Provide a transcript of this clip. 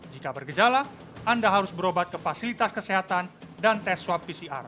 jika bergejala anda harus berobat ke fasilitas kesehatan dan tes swab pcr